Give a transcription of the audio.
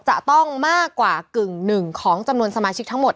จะต้องมากกว่ากึ่งหนึ่งของจำนวนสมาชิกทั้งหมด